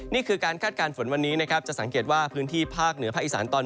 นี่คือการคาดการณ์ฝนวันนี้นะครับจะสังเกตว่าพื้นที่ภาคเหนือภาคอีสานตอน